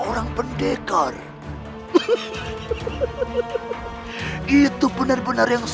orangatoko sudah mengagumi kaki saya